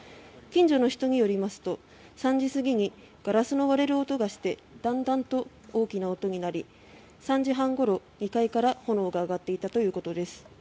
近所の人によりますと３時過ぎにガラスの割れる音がしてだんだんと大きな音になり３時半ごろ２階から炎が上がっていたということです。